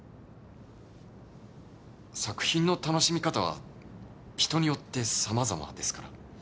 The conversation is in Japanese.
作品の楽しみ方は人によって様々ですから。